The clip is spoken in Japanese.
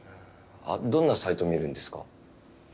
どんなサイトを見るんですか？